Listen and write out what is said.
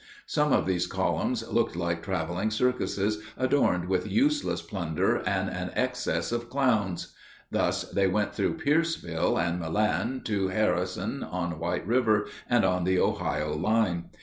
Some of these columns looked like traveling circuses adorned with useless plunder and an excess of clowns. Thus they went through Pierceville and Milan to Harrison, on White River, and on the Ohio line.